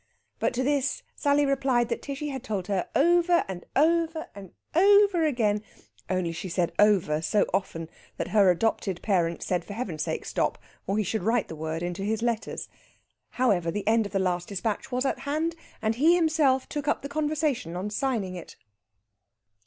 But to this Sally replied that Tishy had told her over and over and over again, only she said over so often that her adopted parent said for Heaven's sake stop, or he should write the word into his letters. However, the end of the last despatch was at hand, and he himself took up the conversation on signing it.